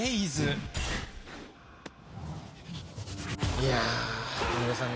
いや井上さんね。